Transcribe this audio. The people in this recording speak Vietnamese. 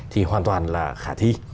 thì hoàn toàn là khả thi